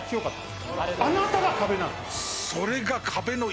あなたが壁なの？